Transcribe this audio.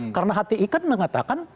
karena hti kan mengatakan